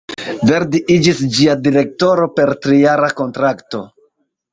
Verdi iĝis ĝia direktoro per trijara kontrakto.